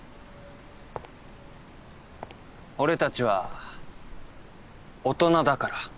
俺たちは大人だから。